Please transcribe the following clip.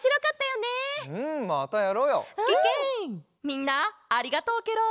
みんなありがとうケロ！